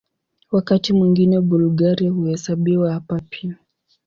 Wakati mwingine Bulgaria huhesabiwa hapa pia.